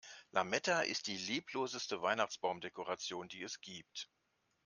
Lametta ist die liebloseste Weihnachtsbaumdekoration, die es gibt.